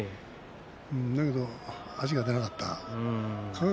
だけど足が出なかった。